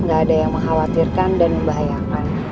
nggak ada yang mengkhawatirkan dan membahayakan